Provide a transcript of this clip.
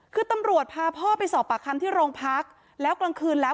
คือตำรวจพาพ่อไปสอบปากคำที่โรงพักแล้วกลางคืนแล้ว